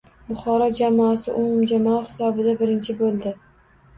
Buxoro jamoasi umumjamoa hisobida birinchi bo‘ldi